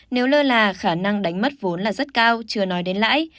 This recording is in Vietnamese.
nếu lơ là khả năng đánh mất vốn là rất cao chưa nói đến lãi